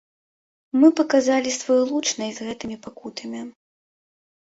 Мы паказалі сваю лучнасць з гэтымі пакутамі.